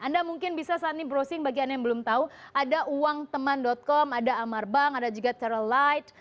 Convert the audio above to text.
anda mungkin bisa saat ini browsing bagi anda yang belum tahu ada uangteman com ada amarbank ada juga terallight